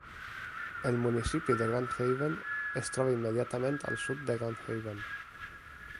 El municipi de Grand Haven es troba immediatament al sud de Grand Haven.